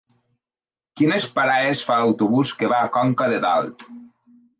Quines parades fa l'autobús que va a Conca de Dalt?